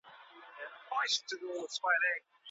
د دوبي ورځي لنډي نه وي.